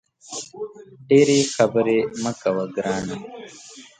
ډېري خبري مه کوه ګرانه !